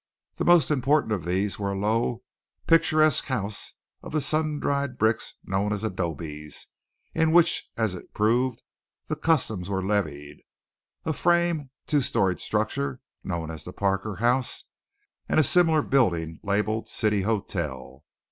The most important of these were a low picturesque house of the sun dried bricks known as adobes, in which, as it proved, the customs were levied; a frame two story structure known as the Parker House, and a similar building labelled "City Hotel."